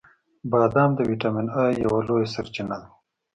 • بادام د ویټامین ای یوه لویه سرچینه ده.